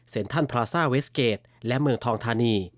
ทันพลาซ่าเวสเกจและเมืองทองธานี